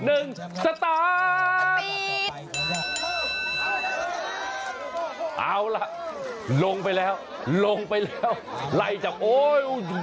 เอาล่ะลงไปแล้วลงไปแล้วไล่จับโอ้ยชอนโอ้นี่